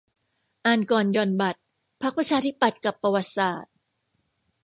อ่านก่อนหย่อนบัตร พรรคประชาธิปัตย์ กับประวัติศาสตร์